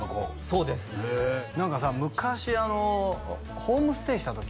そうです何かさ昔ホームステイした時？